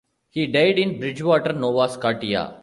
He died in Bridgewater, Nova Scotia.